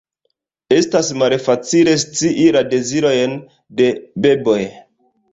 Estas malfacile scii la dezirojn de beboj.